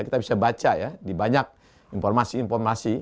kita bisa baca ya di banyak informasi informasi